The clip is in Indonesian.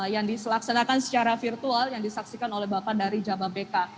yang dilaksanakan secara virtual yang disaksikan oleh bapak dari jababeka